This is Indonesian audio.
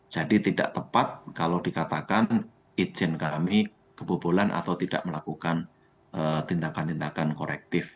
jadi tidak tepat kalau dikatakan irjen kami kebobolan atau tidak melakukan tindakan tindakan korektif